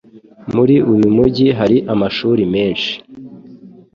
Muri uyu mujyi hari amashuri menshi.